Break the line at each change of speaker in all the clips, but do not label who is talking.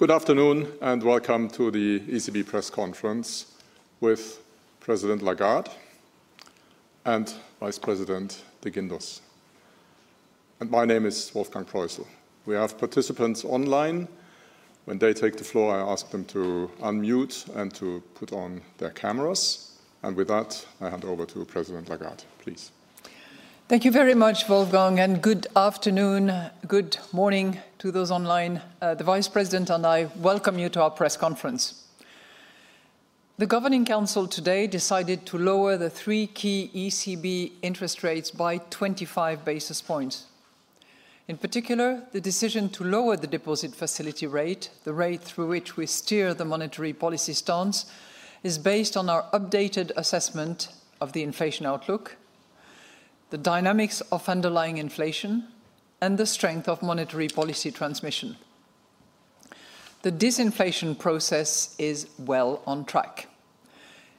Good afternoon and welcome to the ECB Press Conference with President Lagarde and Vice President de Guindos. My name is Wolfgang Proissl. We have participants online. When they take the floor, I ask them to unmute and to put on their cameras. With that, I hand over to President Lagarde. Please.
Thank you very much, Wolfgang, and good afternoon, good morning to those online. The Vice President and I welcome you to our press conference. The Governing Council today decided to lower the three key ECB interest rates by 25 basis points. In particular, the decision to lower the deposit facility rate, the rate through which we steer the monetary policy stance, is based on our updated assessment of the inflation outlook, the dynamics of underlying inflation, and the strength of monetary policy transmission. The disinflation process is well on track.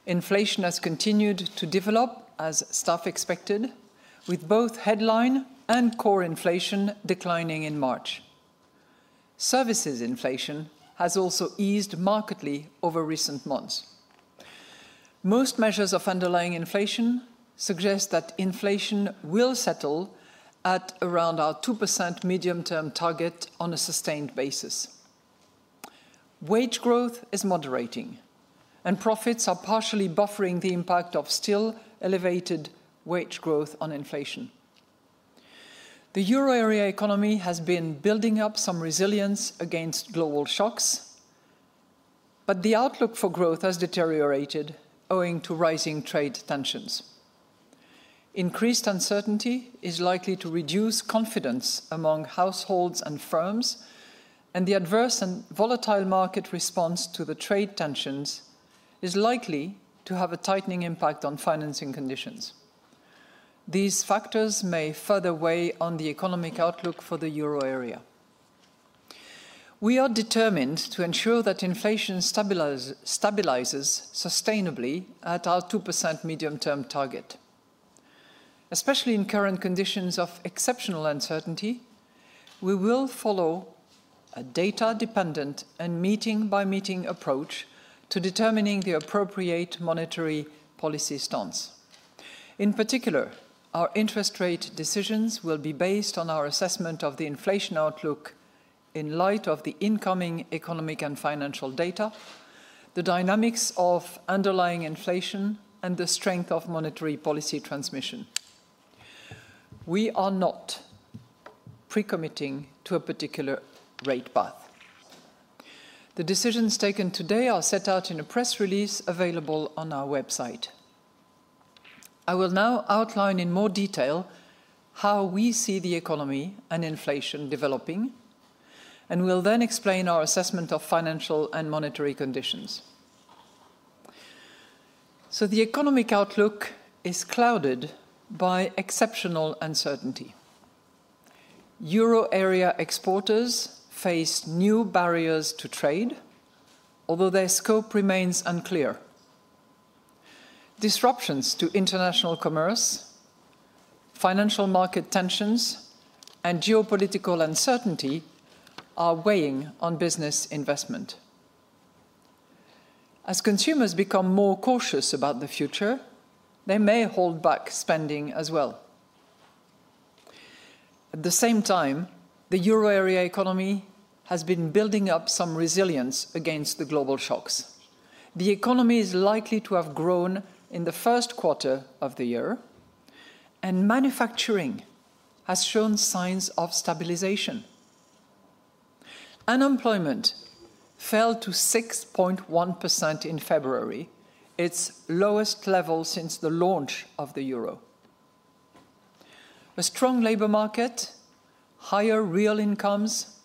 Inflation has continued to develop, as staff expected, with both headline and core inflation declining in March. Services inflation has also eased markedly over recent months. Most measures of underlying inflation suggest that inflation will settle at around our 2% medium-term target on a sustained basis. Wage growth is moderating, and profits are partially buffering the impact of still elevated wage growth on inflation. The euro area economy has been building up some resilience against global shocks, but the outlook for growth has deteriorated owing to rising trade tensions. Increased uncertainty is likely to reduce confidence among households and firms, and the adverse and volatile market response to the trade tensions is likely to have a tightening impact on financing conditions. These factors may further weigh on the economic outlook for the euro area. We are determined to ensure that inflation stabilizes sustainably at our 2% medium-term target. Especially in current conditions of exceptional uncertainty, we will follow a data-dependent and meeting-by-meeting approach to determining the appropriate monetary policy stance. In particular, our interest rate decisions will be based on our assessment of the inflation outlook in light of the incoming economic and financial data, the dynamics of underlying inflation, and the strength of monetary policy transmission. We are not pre-committing to a particular rate path. The decisions taken today are set out in a press release available on our website. I will now outline in more detail how we see the economy and inflation developing, and we'll then explain our assessment of financial and monetary conditions. The economic outlook is clouded by exceptional uncertainty. Euro area exporters face new barriers to trade, although their scope remains unclear. Disruptions to international commerce, financial market tensions, and geopolitical uncertainty are weighing on business investment. As consumers become more cautious about the future, they may hold back spending as well. At the same time, the euro area economy has been building up some resilience against the global shocks. The economy is likely to have grown in the first quarter of the year, and manufacturing has shown signs of stabilization. Unemployment fell to 6.1% in February, its lowest level since the launch of the euro. A strong labor market, higher real incomes,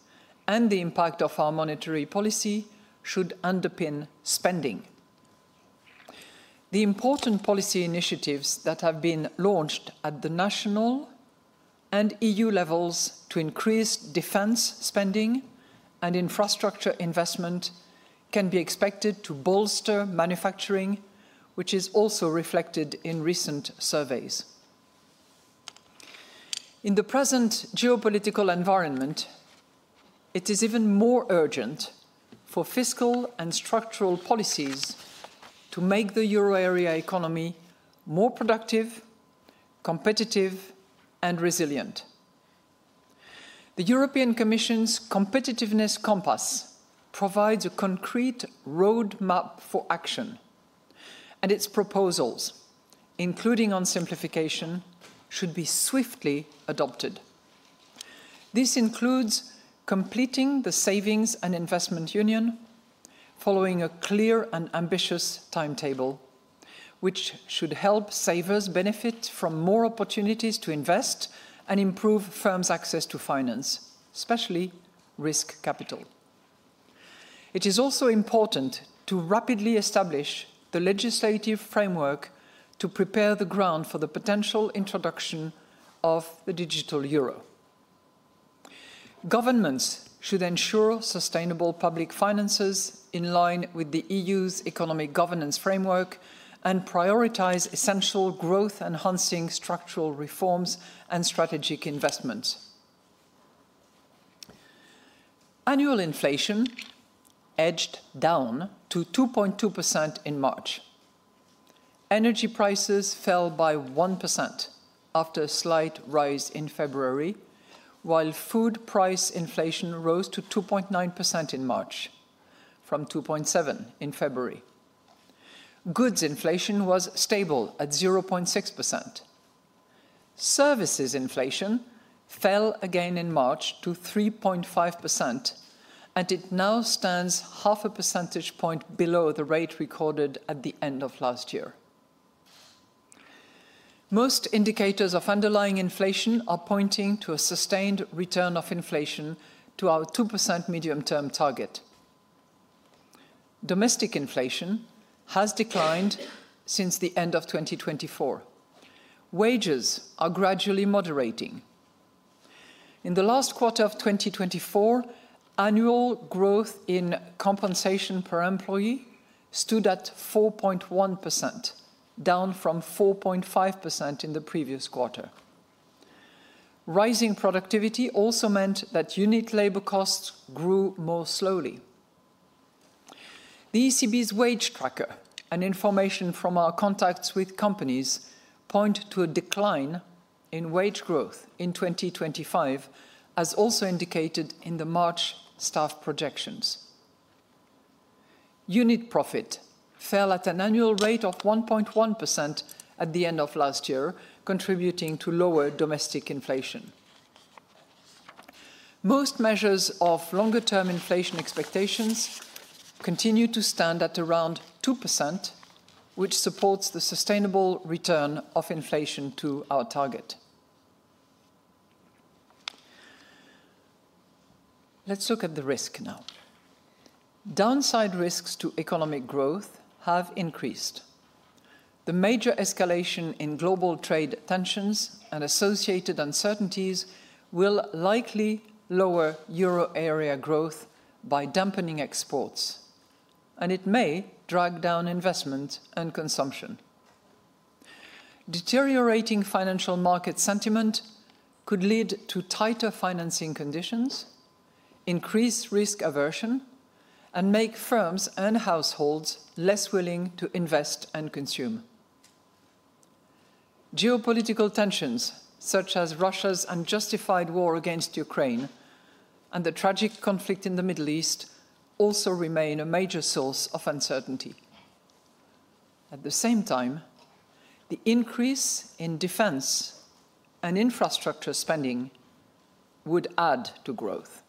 and the impact of our monetary policy should underpin spending. The important policy initiatives that have been launched at the national and EU levels to increase defense spending and infrastructure investment can be expected to bolster manufacturing, which is also reflected in recent surveys. In the present geopolitical environment, it is even more urgent for fiscal and structural policies to make the euro area economy more productive, competitive, and resilient. The European Commission's Competitiveness Compass provides a concrete roadmap for action, and its proposals, including on simplification, should be swiftly adopted. This includes completing the Savings and Investment Union, following a clear and ambitious timetable, which should help savers benefit from more opportunities to invest and improve firms' access to finance, especially risk capital. It is also important to rapidly establish the legislative framework to prepare the ground for the potential introduction of the digital euro. Governments should ensure sustainable public finances in line with the EU's economic governance framework and prioritize essential growth-enhancing structural reforms and strategic investments. Annual inflation edged down to 2.2% in March. Energy prices fell by 1% after a slight rise in February, while food price inflation rose to 2.9% in March, from 2.7% in February. Goods inflation was stable at 0.6%. Services inflation fell again in March to 3.5%, and it now stands half a percentage point below the rate recorded at the end of last year. Most indicators of underlying inflation are pointing to a sustained return of inflation to our 2% medium-term target. Domestic inflation has declined since the end of 2024. Wages are gradually moderating. In the last quarter of 2024, annual growth in compensation per employee stood at 4.1%, down from 4.5% in the previous quarter. Rising productivity also meant that unit labor costs grew more slowly. The ECB's wage tracker and information from our contacts with companies point to a decline in wage growth in 2025, as also indicated in the March staff projections. Unit profit fell at an annual rate of 1.1% at the end of last year, contributing to lower domestic inflation. Most measures of longer-term inflation expectations continue to stand at around 2%, which supports the sustainable return of inflation to our target. Let's look at the risk now. Downside risks to economic growth have increased. The major escalation in global trade tensions and associated uncertainties will likely lower euro area growth by dampening exports, and it may drag down investment and consumption. Deteriorating financial market sentiment could lead to tighter financing conditions, increased risk aversion, and make firms and households less willing to invest and consume. Geopolitical tensions, such as Russia's unjustified war against Ukraine and the tragic conflict in the Middle East, also remain a major source of uncertainty. At the same time, the increase in defense and infrastructure spending would add to growth.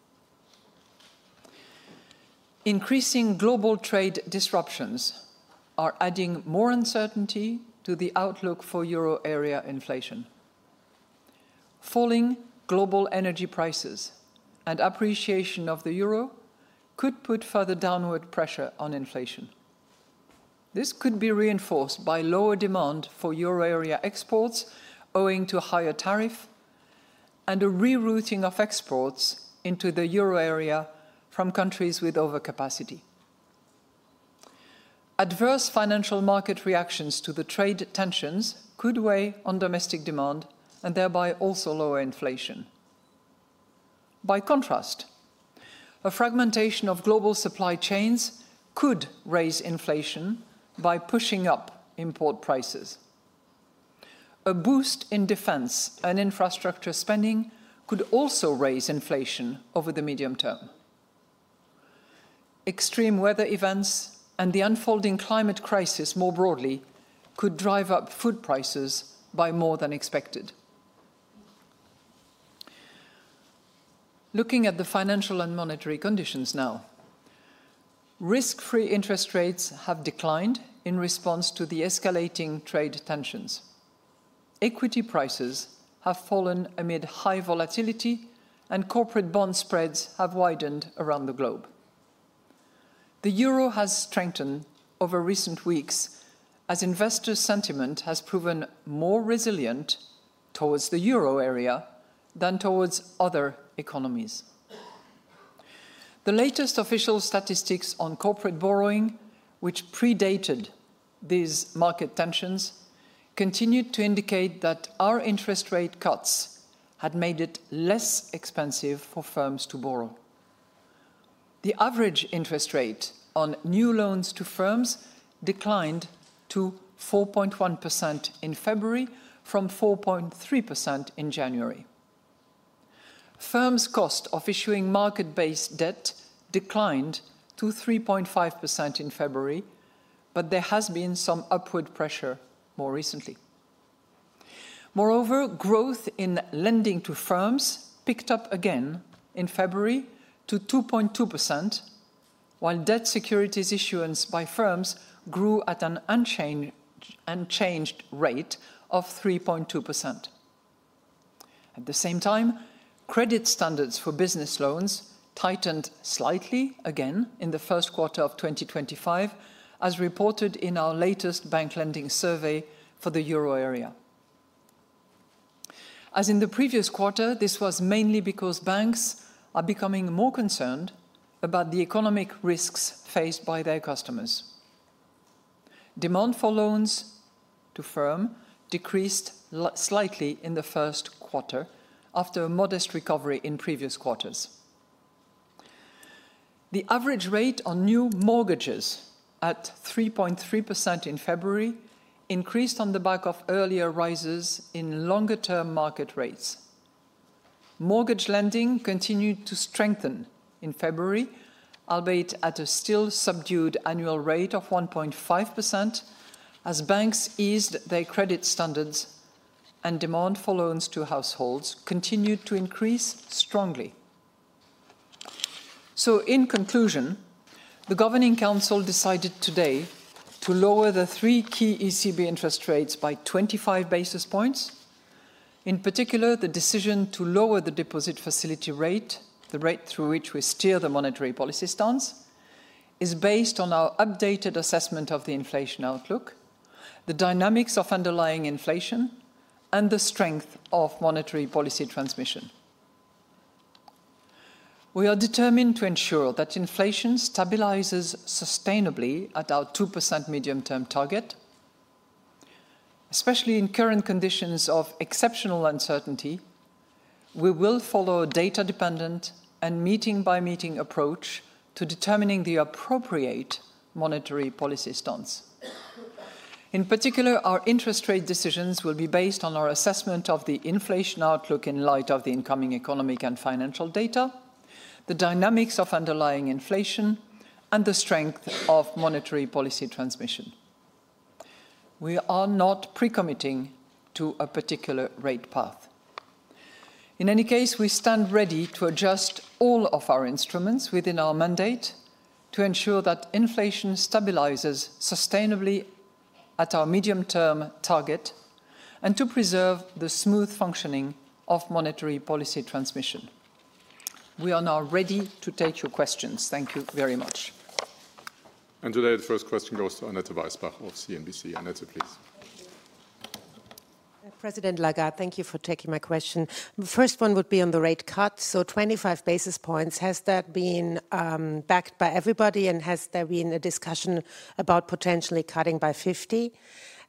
Increasing global trade disruptions are adding more uncertainty to the outlook for euro area inflation. Falling global energy prices and appreciation of the euro could put further downward pressure on inflation. This could be reinforced by lower demand for euro area exports owing to higher tariffs and a rerouting of exports into the euro area from countries with overcapacity. Adverse financial market reactions to the trade tensions could weigh on domestic demand and thereby also lower inflation. By contrast, a fragmentation of global supply chains could raise inflation by pushing up import prices. A boost in defense and infrastructure spending could also raise inflation over the medium term. Extreme weather events and the unfolding climate crisis more broadly could drive up food prices by more than expected. Looking at the financial and monetary conditions now, risk-free interest rates have declined in response to the escalating trade tensions. Equity prices have fallen amid high volatility, and corporate bond spreads have widened around the globe. The euro has strengthened over recent weeks as investor sentiment has proven more resilient towards the euro area than towards other economies. The latest official statistics on corporate borrowing, which predated these market tensions, continue to indicate that our interest rate cuts had made it less expensive for firms to borrow. The average interest rate on new loans to firms declined to 4.1% in February from 4.3% in January. Firms' cost of issuing market-based debt declined to 3.5% in February, but there has been some upward pressure more recently. Moreover, growth in lending to firms picked up again in February to 2.2%, while debt securities issuance by firms grew at an unchanged rate of 3.2%. At the same time, credit standards for business loans tightened slightly again in the first quarter of 2025, as reported in our latest bank lending survey for the euro area. As in the previous quarter, this was mainly because banks are becoming more concerned about the economic risks faced by their customers. Demand for loans to firms decreased slightly in the first quarter after a modest recovery in previous quarters. The average rate on new mortgages at 3.3% in February increased on the back of earlier rises in longer-term market rates. Mortgage lending continued to strengthen in February, albeit at a still subdued annual rate of 1.5%, as banks eased their credit standards and demand for loans to households continued to increase strongly. In conclusion, the Governing Council decided today to lower the three key ECB interest rates by 25 basis points. In particular, the decision to lower the deposit facility rate, the rate through which we steer the monetary policy stance, is based on our updated assessment of the inflation outlook, the dynamics of underlying inflation, and the strength of monetary policy transmission. We are determined to ensure that inflation stabilizes sustainably at our 2% medium-term target. Especially in current conditions of exceptional uncertainty, we will follow a data-dependent and meeting-by-meeting approach to determining the appropriate monetary policy stance. In particular, our interest rate decisions will be based on our assessment of the inflation outlook in light of the incoming economic and financial data, the dynamics of underlying inflation, and the strength of monetary policy transmission. We are not pre-committing to a particular rate path. In any case, we stand ready to adjust all of our instruments within our mandate to ensure that inflation stabilizes sustainably at our medium-term target and to preserve the smooth functioning of monetary policy transmission. We are now ready to take your questions. Thank you very much.
Today, the first question goes to Annette Weisbach of CNBC. Annette, please.
President Lagarde, thank you for taking my question. The first one would be on the rate cut. 25 basis points, has that been backed by everybody, and has there been a discussion about potentially cutting by 50?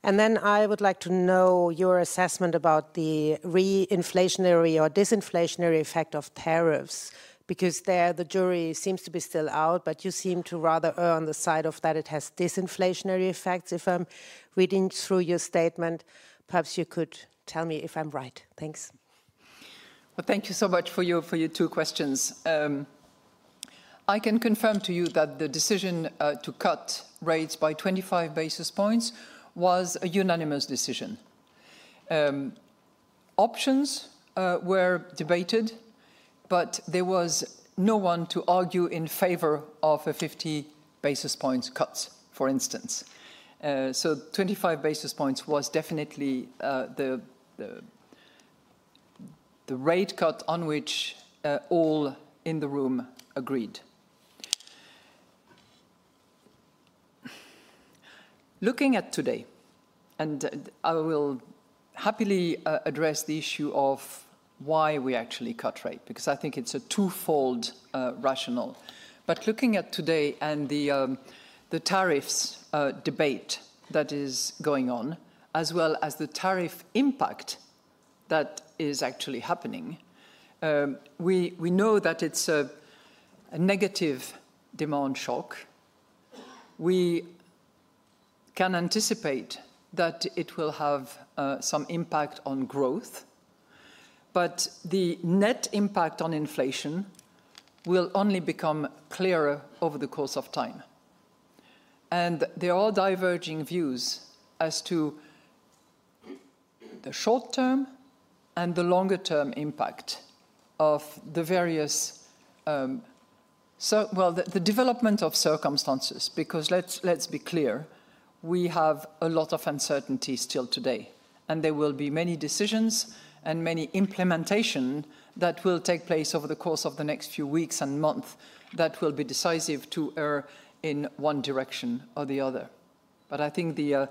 I would like to know your assessment about the re-inflationary or disinflationary effect of tariffs, because there the jury seems to be still out, but you seem to rather err on the side of that it has disinflationary effects. If I'm reading through your statement, perhaps you could tell me if I'm right.
Thank you so much for your two questions. I can confirm to you that the decision to cut rates by 25 basis points was a unanimous decision. Options were debated, but there was no one to argue in favor of a 50 basis points cut, for instance. 25 basis points was definitely the rate cut on which all in the room agreed. Looking at today, I will happily address the issue of why we actually cut rate, because I think it's a twofold rationale. Looking at today and the tariffs debate that is going on, as well as the tariff impact that is actually happening, we know that it's a negative demand shock. We can anticipate that it will have some impact on growth, but the net impact on inflation will only become clearer over the course of time. There are diverging views as to the short-term and the longer-term impact of the various developments of circumstances, because let's be clear, we have a lot of uncertainty still today, and there will be many decisions and many implementations that will take place over the course of the next few weeks and months that will be decisive to err in one direction or the other. But I think the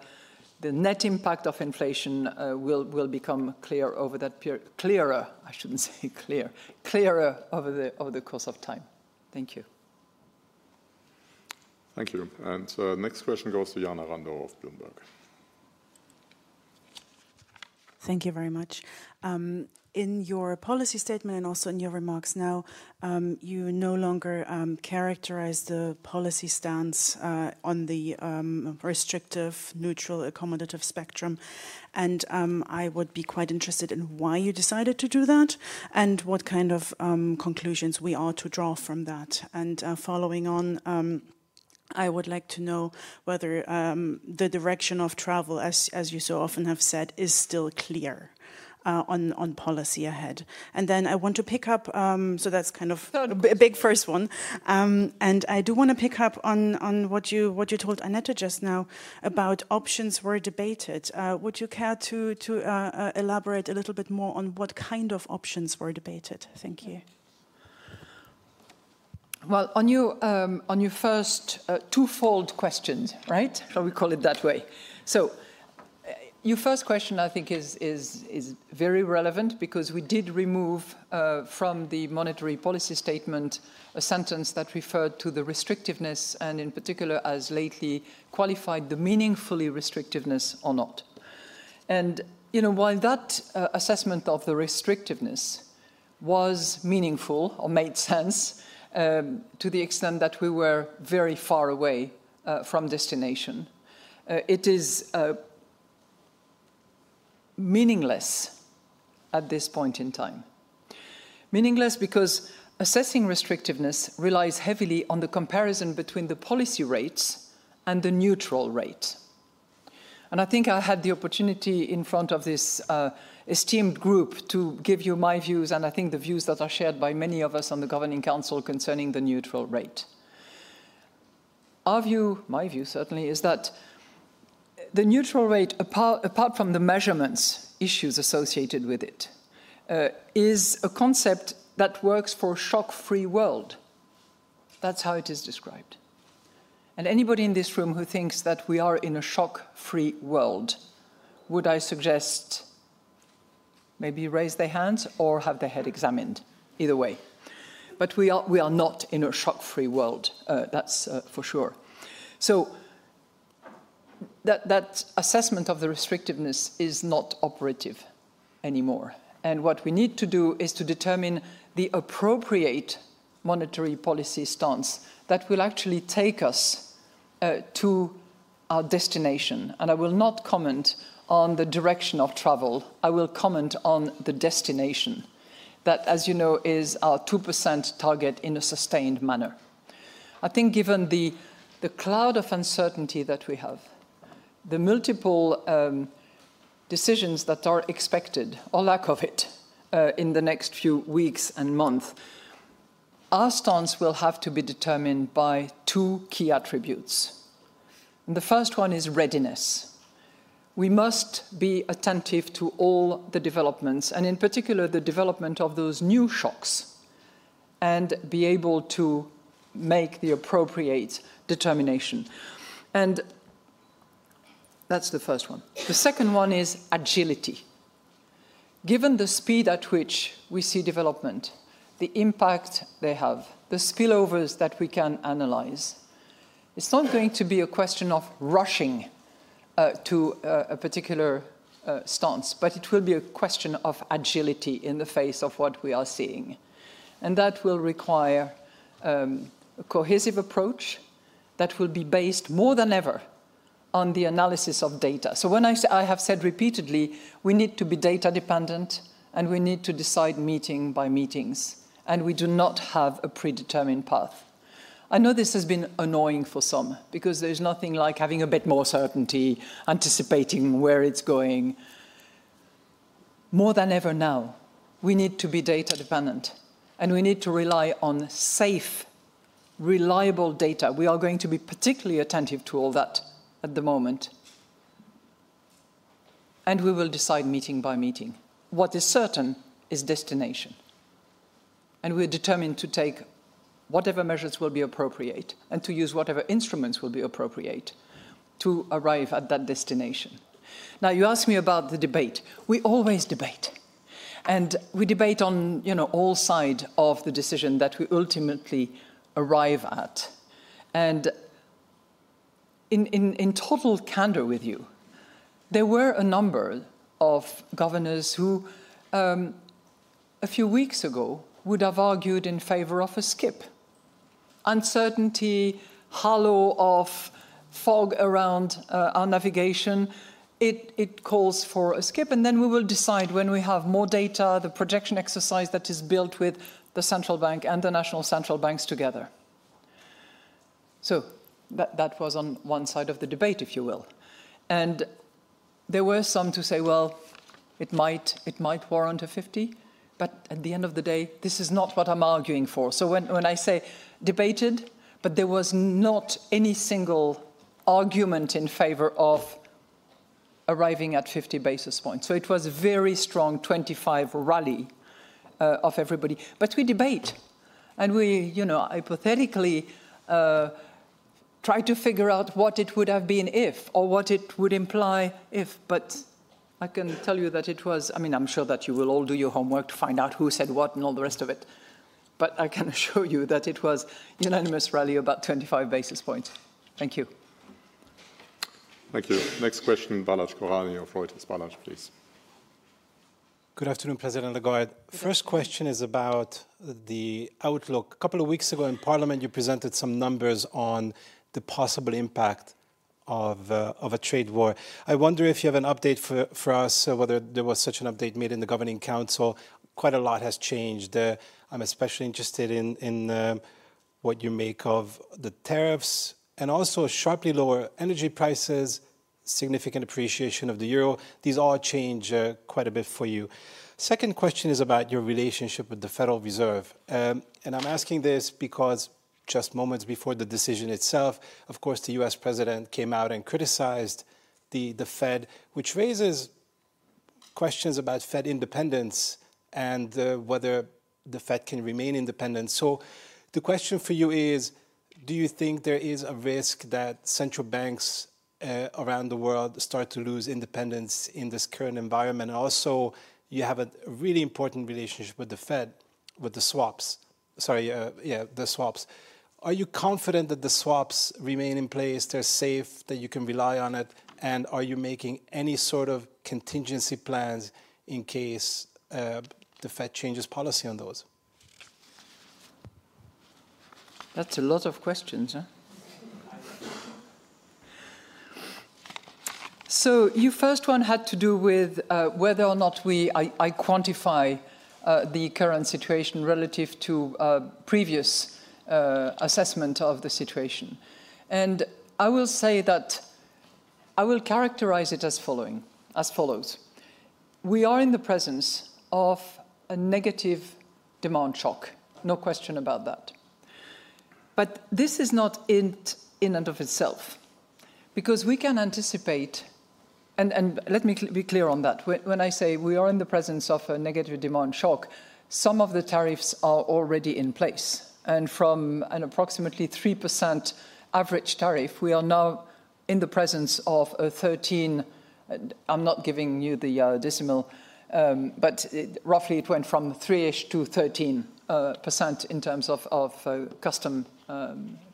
net impact of inflation will become clear over that period, clearer, I shouldn't say clear, clearer over the course of time. Thank you.
Thank you. The next question goes to Jana Randow of Bloomberg.
Thank you very much. In your policy statement, also in your remarks now, you no longer characterize the policy stance on the restrictive-neutral-accommodative spectrum. And I would be quite interested in why you decided to do that and what kind of conclusions we ought to draw from that? And following on, I would like to know whether the direction of travel, as you often have said, is still clear on policy ahead? And then I want to pick up on what you told Annette just now about the options were debated. Would you care to elaborate a little more on what kind of options were debated?
Your first question, I think, is very relevant because we did remove from the monetary policy statement a sentence that referred to the restrictiveness and, in particular, as lately qualified the meaningfully restrictiveness or not. While that assessment of the restrictiveness was meaningful or made sense to the extent that we were very far away from destination, it is meaningless at this point in time. Meaningless because assessing restrictiveness relies heavily on the comparison between the policy rates and the neutral rate. I think I had the opportunity in front of this esteemed group to give you my views, and I think the views that are shared by many of us on the Governing Council concerning the neutral rate. Our view, my view certainly, is that the neutral rate, apart from the measurements issues associated with it, is a concept that works for a shock-free world. is how it is described. Anybody in this room who thinks that we are in a shock-free world, would I suggest, maybe raise their hands or have their head examined. Either way, we are not in a shock-free world. That is for sure. That assessment of the restrictiveness is not operative anymore. What we need to do is to determine the appropriate monetary policy stance that will actually take us to our destination. I will not comment on the direction of travel. I will comment on the destination that, as you know, is our 2% target in a sustained manner. I think given the cloud of uncertainty that we have, the multiple decisions that are expected or lack of it in the next few weeks and months, our stance will have to be determined by two key attributes. The first one is readiness. We must be attentive to all the developments and, in particular, the development of those new shocks and be able to make the appropriate determination. That is the first one. The second one is agility. Given the speed at which we see development, the impact they have, the spillovers that we can analyze, it is not going to be a question of rushing to a particular stance, but it will be a question of agility in the face of what we are seeing. That will require a cohesive approach that will be based more than ever on the analysis of data. When I have said repeatedly, we need to be data-dependent and we need to decide meeting-by-meetings, and we do not have a predetermined path. I know this has been annoying for some because there is nothing like having a bit more certainty, anticipating where it is going. More than ever now, we need to be data-dependent and we need to rely on safe, reliable data. We are going to be particularly attentive to all that at the moment. We will decide meeting-by-meeting. What is certain is destination. We are determined to take whatever measures will be appropriate and to use whatever instruments will be appropriate to arrive at that destination. You asked me about the debate. We always debate. We debate on all sides of the decision that we ultimately arrive at. In total candor with you, there were a number of governors who, a few weeks ago, would have argued in favor of a skip. Uncertainty, hollow of fog around our navigation, it calls for a skip. We will decide when we have more data, the projection exercise that is built with the Central Bank and the National Central Banks together. That was on one side of the debate, if you will. There were some to say, well, it might warrant a 50, but at the end of the day, this is not what I'm arguing for. When I say debated, there was not any single argument in favor of arriving at 50 basis points. It was a very strong 25 rally of everybody. We debate. We, hypothetically, tried to figure out what it would have been if or what it would imply if. I can tell you that it was, I mean, I'm sure that you will all do your homework to find out who said what and all the rest of it. I can assure you that it was a unanimous rally about 25 basis points. Thank you.
Thank you. Next question, Balazs Koranyi of Reuters. Balazs, please.
Good afternoon, President Lagarde. First question is about the outlook. A couple of weeks ago in Parliament, you presented some numbers on the possible impact of a trade war. I wonder if you have an update for us, whether there was such an update made in the Governing Council. Quite a lot has changed. I'm especially interested in what you make of the tariffs and also sharply lower energy prices, significant appreciation of the euro. These all change quite a bit for you. Second question is about your relationship with the Federal Reserve. I'm asking this because just moments before the decision itself, of course, the U.S. President came out and criticized the Fed, which raises questions about Fed independence and whether the Fed can remain independent. The question for you is, do you think there is a risk that central banks around the world start to lose independence in this current environment? You have a really important relationship with the Fed, with the swaps. Sorry, yeah, the swaps. Are you confident that the swaps remain in place, they're safe, that you can rely on it? Are you making any sort of contingency plans in case the Fed changes policy on those?
That's a lot of questions. Your first one had to do with whether or not I quantify the current situation relative to previous assessment of the situation. I will say that I will characterize it as follows. We are in the presence of a negative demand shock, no question about that. This is not in and of itself, because we can anticipate, and let me be clear on that. When I say we are in the presence of a negative demand shock, some of the tariffs are already in place. From an approximately 3% average tariff, we are now in the presence of a 13%, I am not giving you the decimal, but roughly it went from 3% to 13% in terms of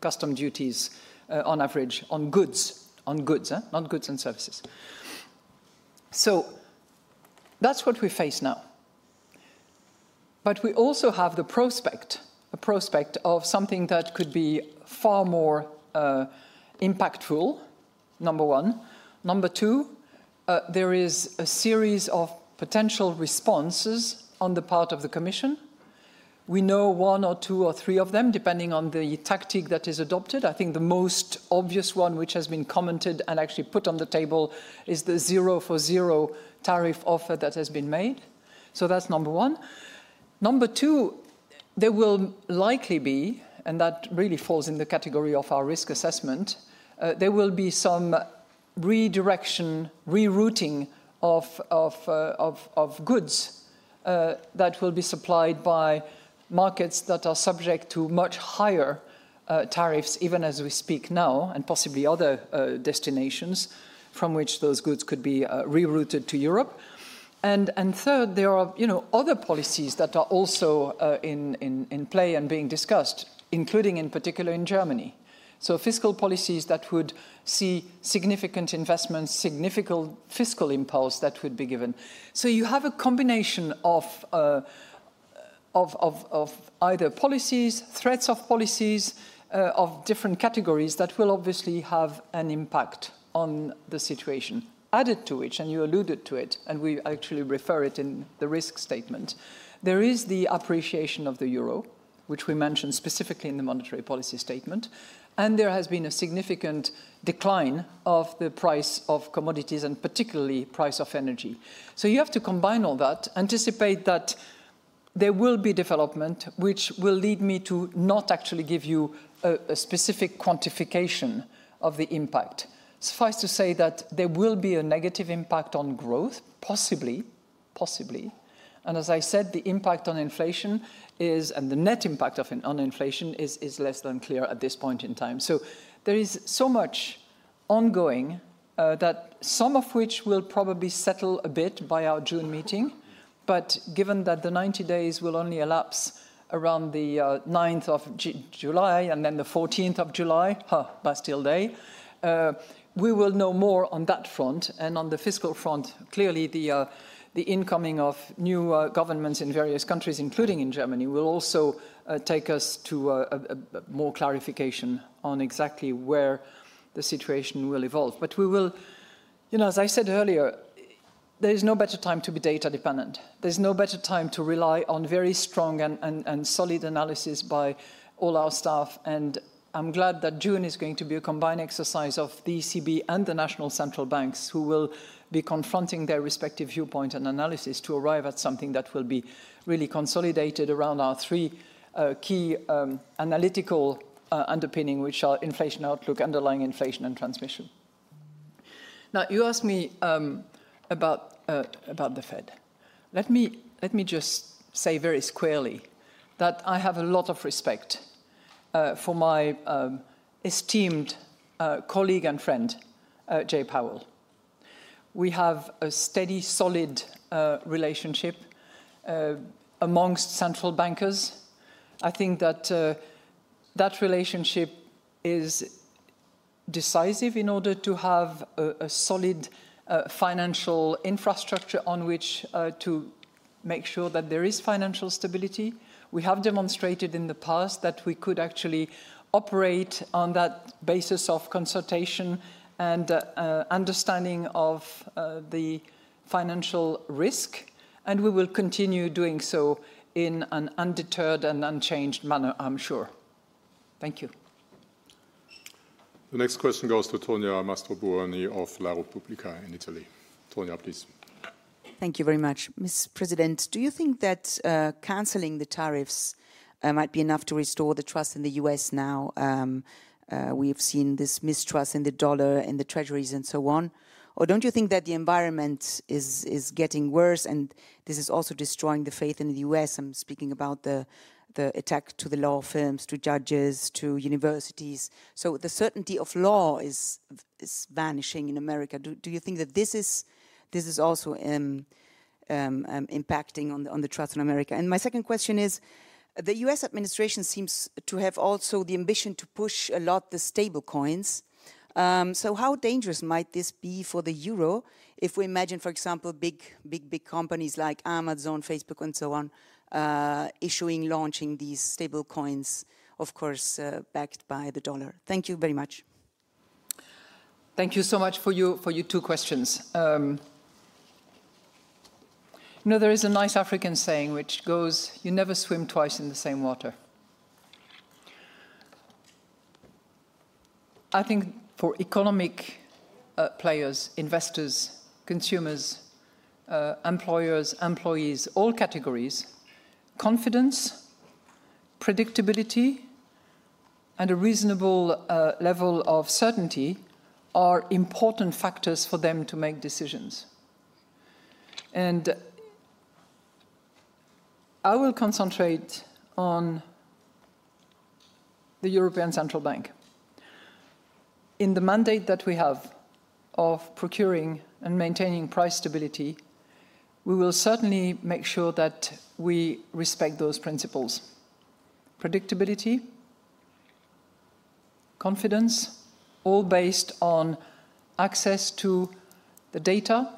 custom duties on average, on goods, on goods, not goods and services. That is what we face now. We also have the prospect, a prospect of something that could be far more impactful, number one. Number two, there is a series of potential responses on the part of the Commission. We know one or two or three of them, depending on the tactic that is adopted. I think the most obvious one, which has been commented and actually put on the table, is the zero-for-zero tariff offer that has been made. That is number one. Number two, there will likely be, and that really falls in the category of our risk assessment, some redirection, rerouting of goods that will be supplied by markets that are subject to much higher tariffs, even as we speak now, and possibly other destinations from which those goods could be rerouted to Europe. Third, there are other policies that are also in play and being discussed, including in particular in Germany. Fiscal policies that would see significant investments, significant fiscal impulse that would be given. You have a combination of either policies, threats of policies, of different categories that will obviously have an impact on the situation. Added to it, and you alluded to it, and we actually refer to it in the risk statement, there is the appreciation of the euro, which we mentioned specifically in the monetary policy statement, and there has been a significant decline of the price of commodities and particularly price of energy. You have to combine all that, anticipate that there will be development, which will lead me to not actually give you a specific quantification of the impact. Suffice to say that there will be a negative impact on growth, possibly, possibly. As I said, the impact on inflation is, and the net impact on inflation is less than clear at this point in time. There is so much ongoing that some of which will probably settle a bit by our June meeting. Given that the 90 days will only elapse around the 9th of July and then the 14th of July, huh, Bastille Day, we will know more on that front. On the fiscal front, clearly the incoming of new governments in various countries, including in Germany, will also take us to more clarification on exactly where the situation will evolve. We will, you know, as I said earlier, there is no better time to be data-dependent. There is no better time to rely on very strong and solid analysis by all our staff. I'm glad that June is going to be a combined exercise of the ECB and the National Central Banks who will be confronting their respective viewpoints and analysis to arrive at something that will be really consolidated around our three key analytical underpinnings, which are inflation outlook, underlying inflation, and transmission. You asked me about the Fed. Let me just say very squarely that I have a lot of respect for my esteemed colleague and friend, Jay Powell. We have a steady, solid relationship amongst central bankers. I think that that relationship is decisive in order to have a solid financial infrastructure on which to make sure that there is financial stability. We have demonstrated in the past that we could actually operate on that basis of consultation and understanding of the financial risk. We will continue doing so in an undeterred and unchanged manner, I'm sure. Thank you.
The next question goes to Tonia Mastrobouni of La Repubblica in Italy. Tonia, please.
Thank you very much. Ms. President, do you think that canceling the tariffs might be enough to restore the trust in the U.S. now? We have seen this mistrust in the dollar, in the treasuries and so on. Do you not think that the environment is getting worse and this is also destroying the faith in the U.S.? I am speaking about the attack to the law firms, to judges, to universities. The certainty of law is vanishing in America. Do you think that this is also impacting on the trust in America? My second question is, the U.S. administration seems to have also the ambition to push a lot the stablecoins. How dangerous might this be for the euro if we imagine, for example, big, big, big companies like Amazon, Facebook, and so on, issuing, launching these stablecoins, of course, backed by the dollar? Thank you very much.
Thank you so much for your two questions. You know, there is a nice African saying which goes, 'You never swim twice in the same water.' I think for economic players, investors, consumers, employers, employees, all categories, confidence, predictability, and a reasonable level of certainty are important factors for them to make decisions. I will concentrate on the European Central Bank. In the mandate that we have of procuring and maintaining price stability, we will certainly make sure that we respect those principles: predictability, confidence, all based on access to the data,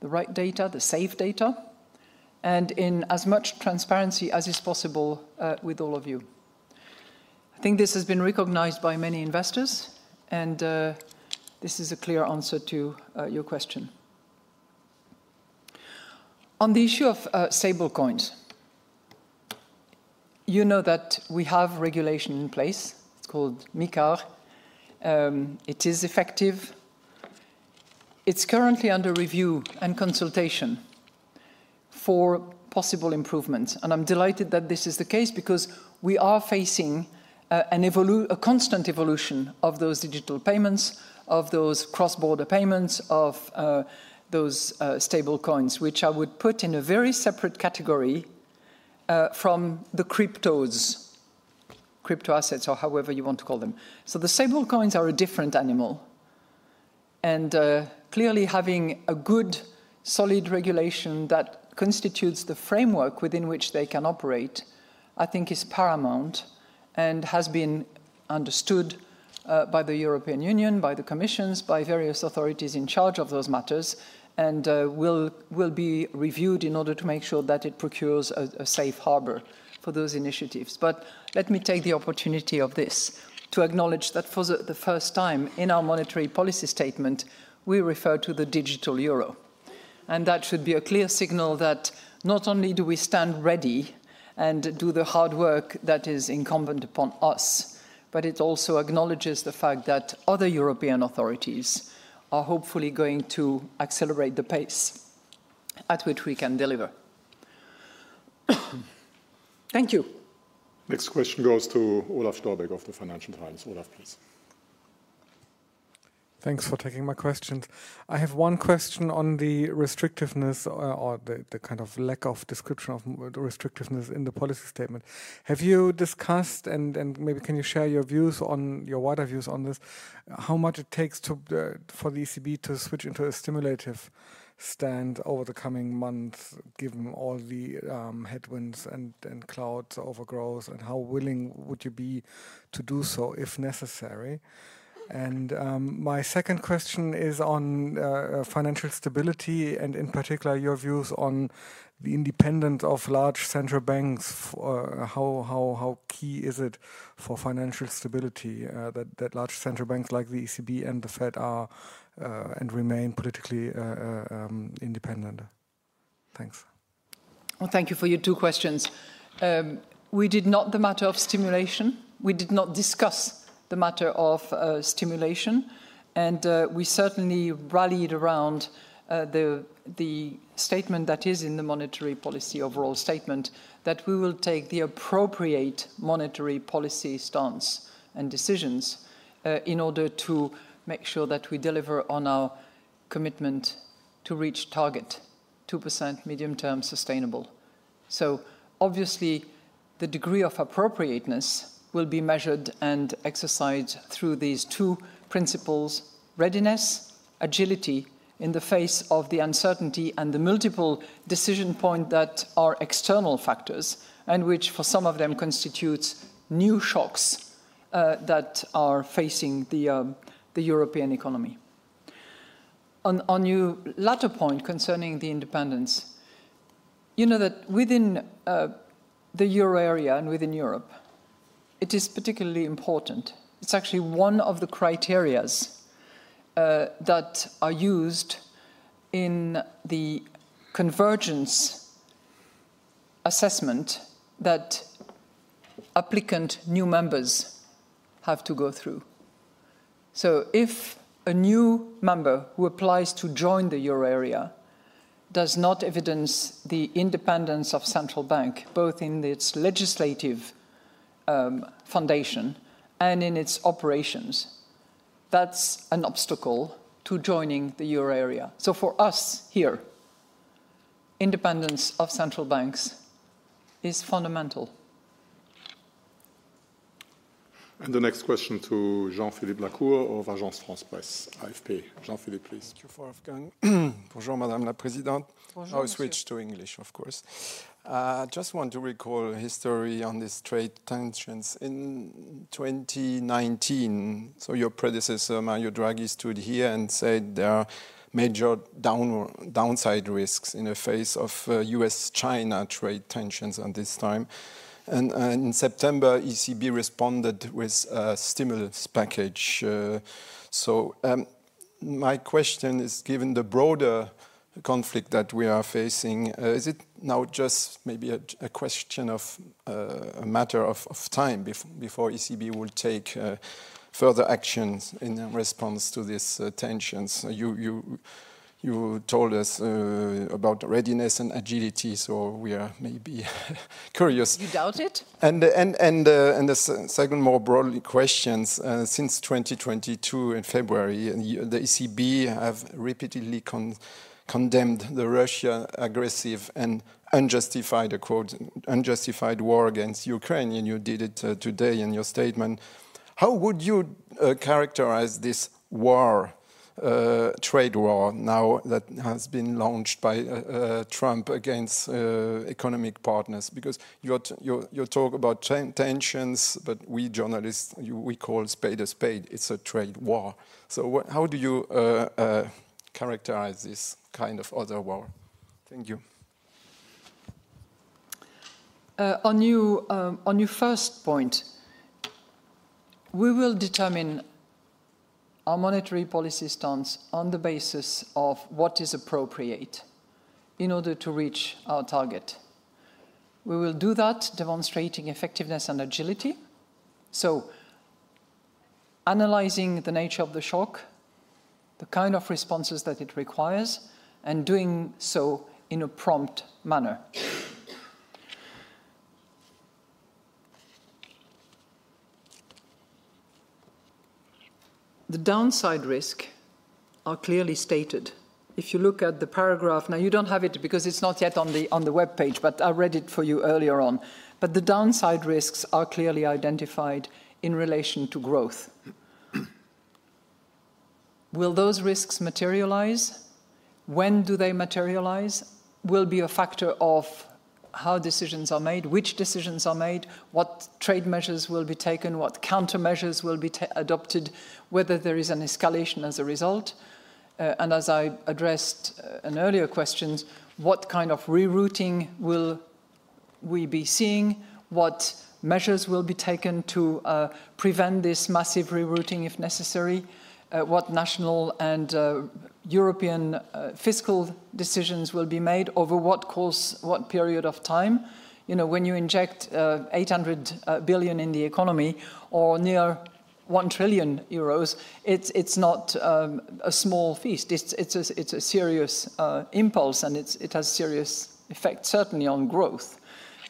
the right data, the safe data, and in as much transparency as is possible with all of you. I think this has been recognized by many investors, and this is a clear answer to your question. On the issue of stablecoins, you know that we have regulation in place. It's called MiCAR. It is effective. It's currently under review and consultation for possible improvements. I'm delighted that this is the case because we are facing a constant evolution of those digital payments, of those cross-border payments, of those stablecoins, which I would put in a very separate category from the cryptos, crypto assets, or however you want to call them. The stablecoins are a different animal. Clearly, having a good, solid regulation that constitutes the framework within which they can operate, I think, is paramount and has been understood by the European Union, by the Commission, by various authorities in charge of those matters, and will be reviewed in order to make sure that it procures a safe harbor for those initiatives. Let me take the opportunity of this to acknowledge that for the first time in our monetary policy statement, we refer to the digital euro. That should be a clear signal that not only do we stand ready and do the hard work that is incumbent upon us, but it also acknowledges the fact that other European authorities are hopefully going to accelerate the pace at which we can deliver. Thank you.
Next question goes to Olaf Storbeck of the Financial Times. Olaf, please. Thanks for taking my questions.
I have one question on the restrictiveness or the kind of lack of description of the restrictiveness in the policy statement. Have you discussed, and maybe can you share your views on your wider views on this, how much it takes for the ECB to switch into a stimulative stand over the coming months, given all the headwinds and clouds over growth, and how willing would you be to do so if necessary? My second question is on financial stability and in particular your views on the independence of large central banks. How key is it for financial stability that large central banks like the ECB and the Fed are and remain politically independent? Thanks.
Thank you for your two questions. We did not discuss the matter of stimulation. We did not discuss the matter of stimulation. We certainly rallied around the statement that is in the monetary policy overall statement that we will take the appropriate monetary policy stance and decisions in order to make sure that we deliver on our commitment to reach target, 2% medium-term sustainable. Obviously, the degree of appropriateness will be measured and exercised through these two principles: readiness, agility in the face of the uncertainty, and the multiple decision points that are external factors and which for some of them constitutes new shocks that are facing the European economy. On your latter point concerning the independence, you know that within the euro area and within Europe, it is particularly important. It's actually one of the criteria that are used in the convergence assessment that applicant new members have to go through. If a new member who applies to join the euro area does not evidence the independence of central bank, both in its legislative foundation and in its operations, that's an obstacle to joining the euro area. For us here, independence of central banks is fundamental.
The next question to Jean-Philippe Lacour of Agence France-Presse, AFP. Jean-Philippe, please.
Thank you for asking. Bonjour, Madame la Présidente. I'll switch to English, of course. I just want to recall history on these trade tensions in 2019. Your predecessor, Mario Draghi, stood here and said there are major downside risks in the face of U.S.-China trade tensions at this time. In September, ECB responded with a stimulus package. My question is, given the broader conflict that we are facing, is it now just maybe a question of a matter of time before ECB will take further actions in response to these tensions? You told us about readiness and agility, so we are maybe curious.
You doubt it?
The second more broadly question: since 2022, in February, the ECB has repeatedly condemned the Russia aggressive and unjustify, unjustified war against Ukraine and you did it today in your statement. How would you characterize this war, trade war, now that has been launched by Trump against economic partners? Because you talk about tensions, but we journalists, we call spade a spade. It's a trade war. How do you characterize this kind of other war? Thank you.
On your first point, we will determine our monetary policy stance on the basis of what is appropriate in order to reach our target. We will do that demonstrating effectiveness and agility. Analyzing the nature of the shock, the kind of responses that it requires, and doing so in a prompt manner. The downside risks are clearly stated. If you look at the paragraph, now you do not have it because it is not yet on the web page, but I read it for you earlier on. The downside risks are clearly identified in relation to growth. Will those risks materialize? When do they materialize? Will be a factor of how decisions are made, which decisions are made, what trade measures will be taken, what countermeasures will be adopted, whether there is an escalation as a result. As I addressed in earlier questions, what kind of rerouting will we be seeing? What measures will be taken to prevent this massive rerouting if necessary? What national and European fiscal decisions will be made over what course, what period of time? You know, when you inject 800 billion in the economy or near 1 trillion euros, it's not a small feast. It's a serious impulse, and it has serious effects, certainly on growth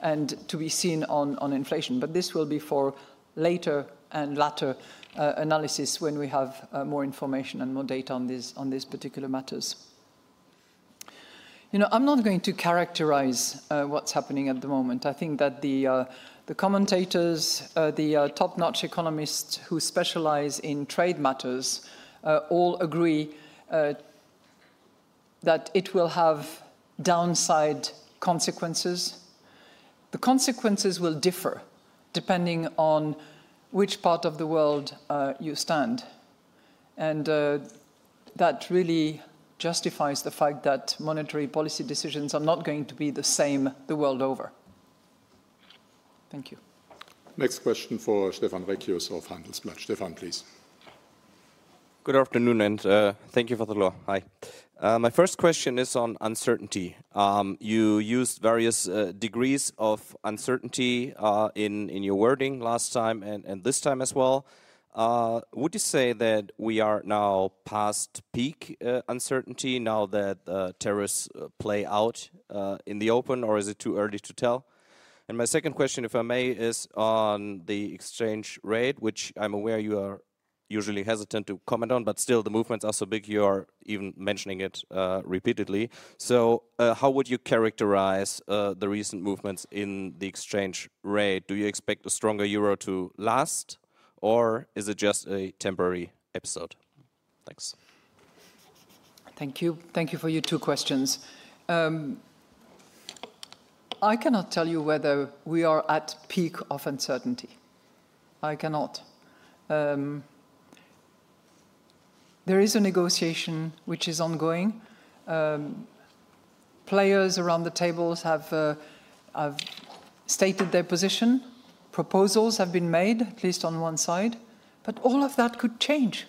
and to be seen on inflation. This will be for later and latter analysis when we have more information and more data on these particular matters. You know, I'm not going to characterize what's happening at the moment. I think that the commentators, the top-notch economists who specialize in trade matters all agree that it will have downside consequences. The consequences will differ depending on which part of the world you stand. That really justifies the fact that monetary policy decisions are not going to be the same the world over. Thank you.
Next question for Stefan Reccius of Handelsblatt. Stefan, please.
Good afternoon and thank you for the [floor]. Hi. My first question is on uncertainty. You used various degrees of uncertainty in your wording last time and this time as well. Would you say that we are now past peak uncertainty now that terrorists play out in the open, or is it too early to tell? My second question, if I may, is on the exchange rate, which I am aware you are usually hesitant to comment on, but still the movements are so big, you are even mentioning it repeatedly. How would you characterize the recent movements in the exchange rate? Do you expect a stronger euro to last, or is it just a temporary episode? Thanks.
Thank you. Thank you for your two questions. I cannot tell you whether we are at peak of uncertainty. I cannot. There is a negotiation which is ongoing. Players around the tables have stated their position. Proposals have been made, at least on one side. All of that could change.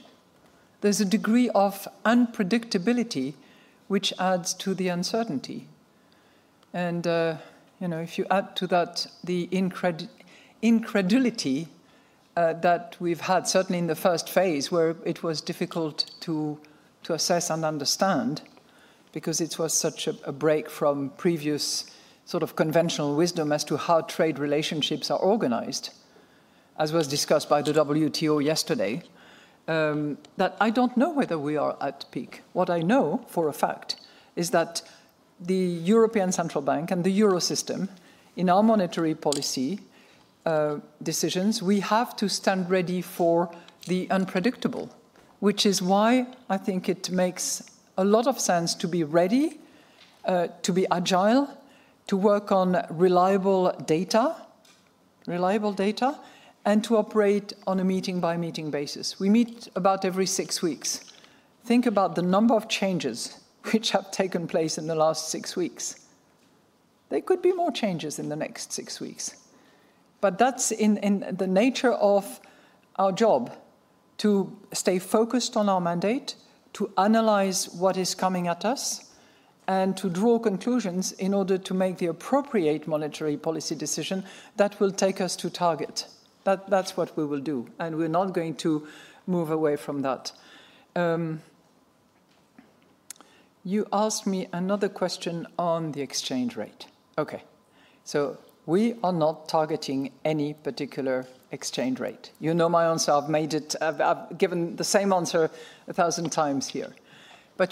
There is a degree of unpredictability which adds to the uncertainty. You know, if you add to that the incredulity that we have had, certainly in the first phase where it was difficult to assess and understand because it was such a break from previous sort of conventional wisdom as to how trade relationships are organized, as was discussed by the WTO yesterday, I do not know whether we are at peak. What I know for a fact is that the European Central Bank and the euro system in our monetary policy decisions, we have to stand ready for the unpredictable, which is why I think it makes a lot of sense to be ready, to be agile, to work on reliable data, and to operate on a meeting-by-meeting basis. We meet about every six weeks. Think about the number of changes which have taken place in the last six weeks. There could be more changes in the next six weeks. That is in the nature of our job to stay focused on our mandate, to analyze what is coming at us, and to draw conclusions in order to make the appropriate monetary policy decision that will take us to target. That is what we will do. We are not going to move away from that. You asked me another question on the exchange rate. Okay. We are not targeting any particular exchange rate. You know my answer. I've made it, I've given the same answer a thousand times here.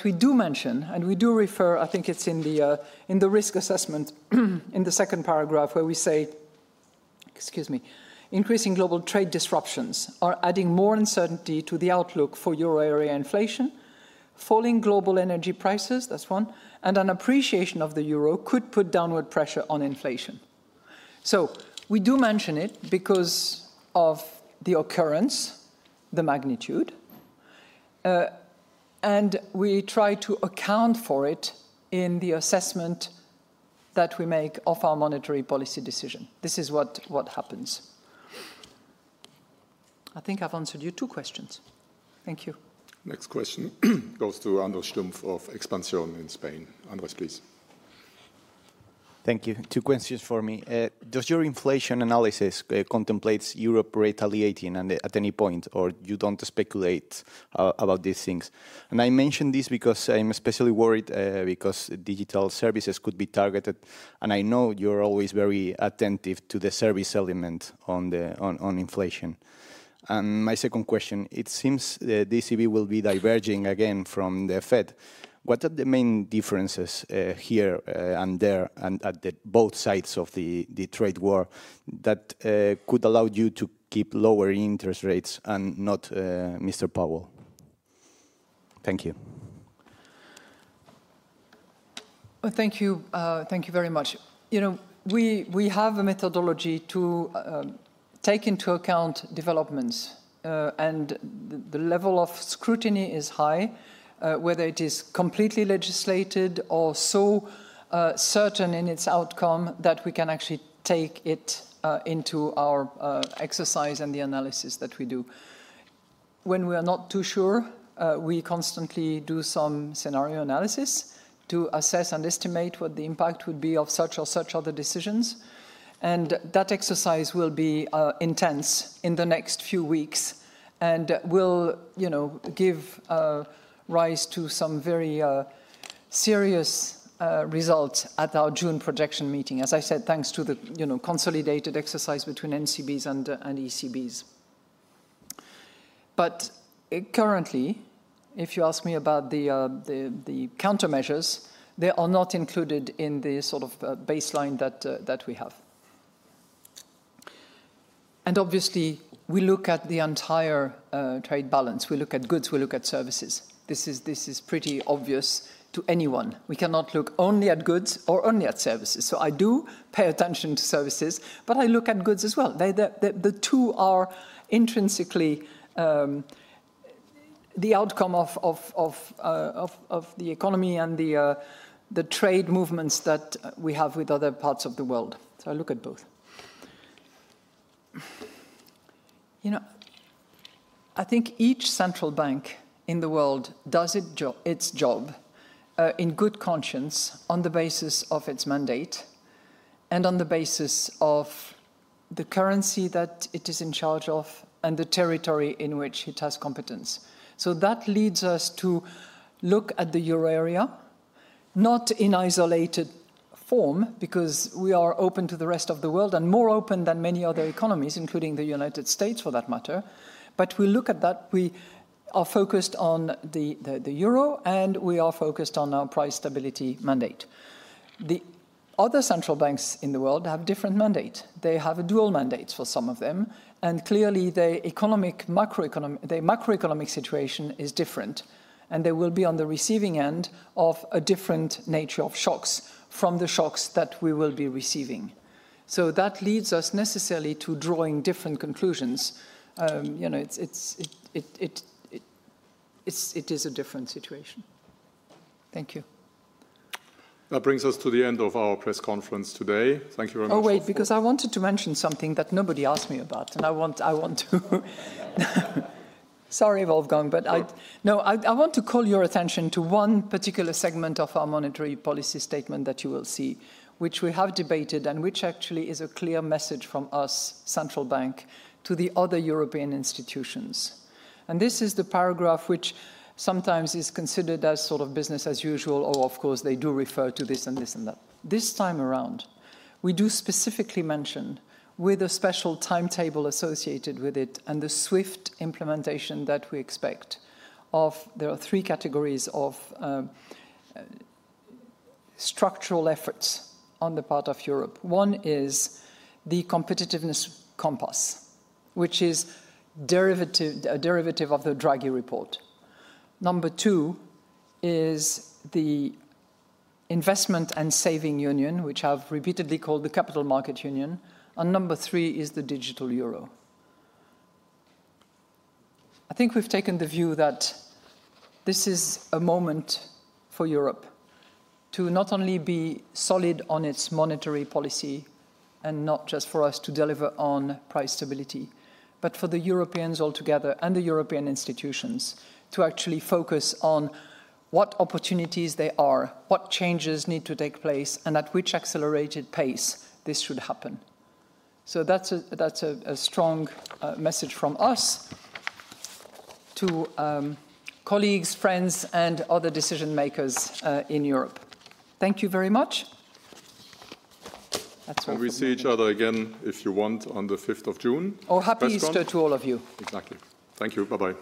We do mention, and we do refer, I think it's in the risk assessment in the second paragraph where we say, excuse me, increasing global trade disruptions are adding more uncertainty to the outlook for euro area inflation, falling global energy prices, that's one, and an appreciation of the euro could put downward pressure on inflation. We do mention it because of the occurrence, the magnitude, and we try to account for it in the assessment that we make of our monetary policy decision. This is what happens. I think I've answered your two questions. Thank you.
Next question goes to Andrés Stumpf of Expansión in Spain. Andres, please.
Thank you. Two questions for me. Does your inflation analysis contemplate euro rate retaliating at any point, or you do not speculate about these things? I mention this because I am especially worried because digital services could be targeted. I know you are always very attentive to the service element on inflation. My second question, it seems the ECB will be diverging again from the Fed. What are the main differences here and there and at both sides of the trade war that could allow you to keep lower interest rates and not, Mr. Powell? Thank you.
Thank you very much. You know, we have a methodology to take into account developments. The level of scrutiny is high, whether it is completely legislated or so certain in its outcome that we can actually take it into our exercise and the analysis that we do. When we are not too sure, we constantly do some scenario analysis to assess and estimate what the impact would be of such or such other decisions. That exercise will be intense in the next few weeks and will, you know, give rise to some very serious results at our June projection meeting. As I said, thanks to the, you know, consolidated exercise between NCBs and ECBs. Currently, if you ask me about the countermeasures, they are not included in the sort of baseline that we have. Obviously, we look at the entire trade balance. We look at goods, we look at services. This is pretty obvious to anyone. We cannot look only at goods or only at services. I do pay attention to services, but I look at goods as well. The two are intrinsically the outcome of the economy and the trade movements that we have with other parts of the world. I look at both. You know, I think each central bank in the world does its job in good conscience on the basis of its mandate and on the basis of the currency that it is in charge of and the territory in which it has competence. That leads us to look at the euro area, not in isolated form, because we are open to the rest of the world and more open than many other economies, including the United States for that matter. We look at that. We are focused on the euro and we are focused on our price stability mandate. The other central banks in the world have different mandates. They have dual mandates for some of them. Clearly, their economic macroeconomic situation is different. They will be on the receiving end of a different nature of shocks from the shocks that we will be receiving. That leads us necessarily to drawing different conclusions. You know, it is a different situation. Thank you.
That brings us to the end of our press conference today. Thank you very much.
Oh, wait, because I wanted to mention something that nobody asked me about. I want to—sorry, Wolfgang, but I—no, I want to call your attention to one particular segment of our monetary policy statement that you will see, which we have debated and which actually is a clear message from us, central bank, to the other European institutions. This is the paragraph which sometimes is considered as sort of business as usual, or of course they do refer to this and this and that. This time around, we do specifically mention, with a special timetable associated with it and the swift implementation that we expect of—there are three categories of structural efforts on the part of Europe. One is the Competitiveness Compass, which is a derivative of the Draghi report. Number two is the Investment and Saving Union, which I've repeatedly called the Capital Market Union. And number three is the digital euro. I think we've taken the view that this is a moment for Europe to not only be solid on its monetary policy and not just for us to deliver on price stability, but for the Europeans altogether and the European institutions to actually focus on what opportunities there are, what changes need to take place, and at which accelerated pace this should happen. That is a strong message from us to colleagues, friends, and other decision-makers in Europe. Thank you very much.
We see each other again if you want on the 5th of June.
Oh, happy Easter to all of you.
Exactly. Thank you. Bye-bye.